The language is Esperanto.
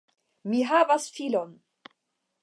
Mi havas filon!